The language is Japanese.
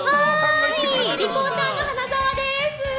リポーターの花澤です。